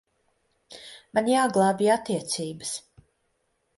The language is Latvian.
Man jāglābj attiecības.